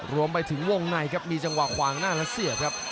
รวมไปถึงวงในครับมีจังหวะขวางหน้าแล้วเสียบครับ